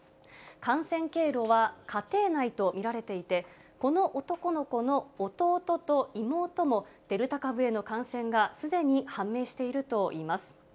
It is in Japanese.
感染経路は家庭内と見られていて、この男の子の弟と妹もデルタ株への感染がすでに判明しているといいます。